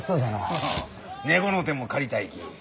ハハハ猫の手も借りたいき。